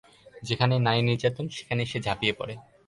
যেখানেই নারী নির্যাতন সেখানেই সে ঝাপিয়ে পড়ে।